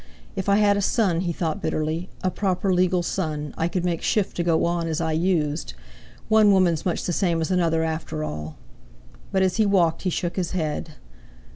"If I had a son," he thought bitterly, "a proper legal son, I could make shift to go on as I used. One woman's much the same as another, after all." But as he walked he shook his head.